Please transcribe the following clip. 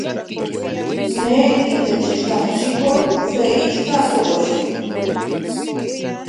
Ne, itech ichkanechikol, se ixka kokoxki.